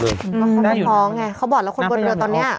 เขาพ้อไงเขาบอกเขาบ่นเร็วตอนนี้